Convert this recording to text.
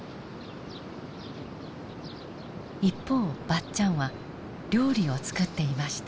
一方ばっちゃんは料理を作っていました。